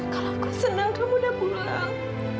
kalau kau senang kamu udah pulang